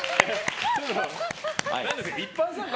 何ですか？